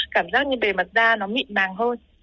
cảm giác như bề mặt da nó mịn màng hơn